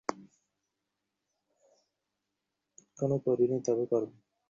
এই জন্যই একই সময়ে আমাদের মুক্তি ও বন্ধনের মিশ্রিত অনুভূতি দেখিতে পাওয়া যায়।